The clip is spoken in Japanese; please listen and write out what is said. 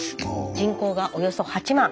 人口がおよそ８万。